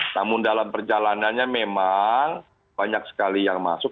namun dalam perjalanannya memang banyak sekali yang masuk